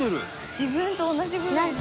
「自分と同じぐらいの」